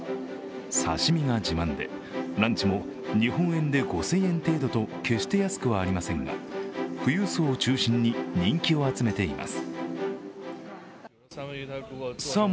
刺身が自慢で、ランチも日本円で５０００円程度と決して安くはありませんが富裕層を中心に人気を集めています。